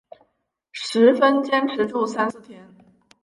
十分坚持住三四天